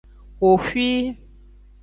Xoxwi.